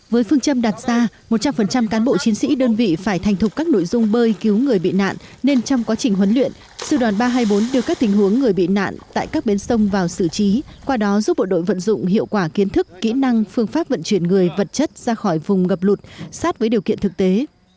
với phương châm đạt ra một trăm linh cán bộ chiến sĩ đơn vị phải thành thục các nội dung bơi cứu người bị nạn nên trong quá trình huấn luyện sư đoàn ba trăm hai mươi bốn đưa các tình huống người bị nạn tại các bến sông vào xử trí qua đó giúp bộ đội vận dụng hiệu quả kiến thức kỹ năng phương pháp vận chuyển người vật chất ra khỏi vùng ngập lụt sát với điều kiện thực tế